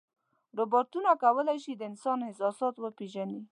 روبوټونه کولی شي د انسان احساسات وپېژني.